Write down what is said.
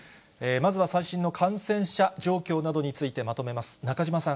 まずは、最新の感染者状況などについて、まとめます。